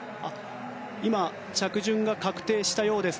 今、着順が確定したようです。